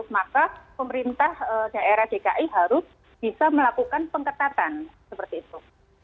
maka pemerintah daerah dki harus bisa melakukan pengetatan seperti itu